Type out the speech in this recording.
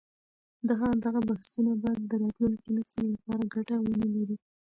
دغه بحثونه به د راتلونکي نسل لپاره ګټه ونه لري.